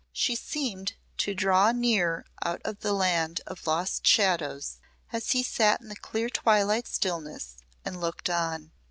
She seemed to draw near out of the land of lost shadows as he sat in the clear twilight stillness and looked on.